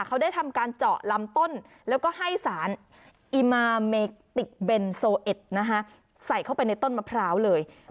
เขาได้ทำการเจาะลำต้นแล้วก็ให้สารนะคะใส่เข้าไปในต้นมะพร้าวเลย